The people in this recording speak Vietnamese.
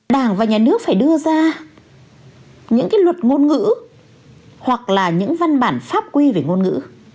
đảng và nhà nước phải đưa ra những cái luật ngôn ngữ hoặc là những văn bản pháp quy về ngôn ngữ